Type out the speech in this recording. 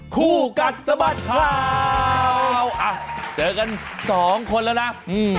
คู่กัดสะบัดข่าวอ่ะเจอกันสองคนแล้วนะอืม